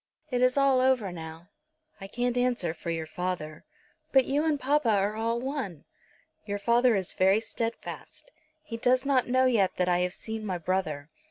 It is all over now." "I can't answer for your father." "But you and papa are all one." "Your father is very steadfast. He does not know yet that I have seen my brother.